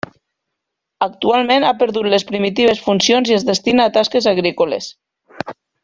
Actualment ha perdut les primitives funcions i es destina a tasques agrícoles.